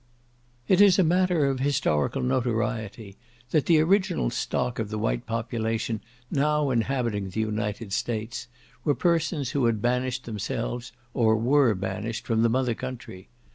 It is a matter of historical notoriety that the original stock of the white population now inhabiting the United States, were persons who had banished themselves, or were banished from the mother country.